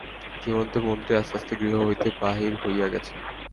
ইতিমধ্যে মন্ত্রী আস্তে আস্তে গৃহ হইতে বাহির হইয়া গেছেন।